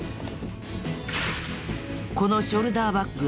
このショルダーバッグの男